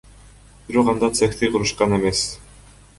Бирок анда цехти курушкан эмес.